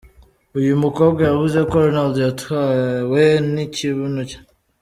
Uyu mukobwa yavuze ko Ronaldo yatwawe n'ikibuno cye.